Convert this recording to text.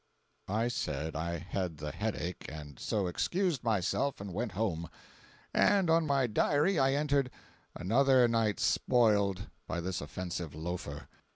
555.jpg (42K) I said I had the headache, and so excused myself and went home. And on my diary I entered "another night spoiled" by this offensive loafer.